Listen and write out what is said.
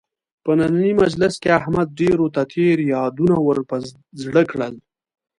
په نننۍ مجلس کې احمد ډېرو ته تېر یادونه ور په زړه کړل.